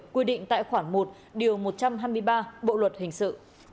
quy định tại khoản một điều một trăm hai mươi ba bộ luật hình sự